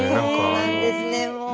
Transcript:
そうなんですねもう。